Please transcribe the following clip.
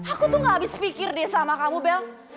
aku tuh gak habis pikir deh sama kamu bel